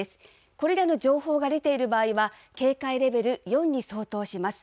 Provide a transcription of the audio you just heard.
これらの情報が出ている場合は、警戒レベル４に相当します。